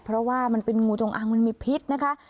เพราะว่ามันเป็นงูจงอางมันมีพิษนะคะ